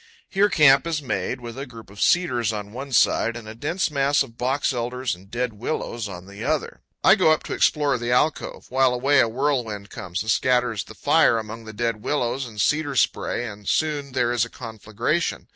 Here camp is made, with a group of cedars on one side and a dense mass of box elders and dead willows on the other. I go up to explore the alcove. While away a whirlwind comes and scatters the fire among the dead willows and cedar spray, and soon there is a conflagration.